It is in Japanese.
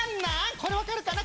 これ分かるかな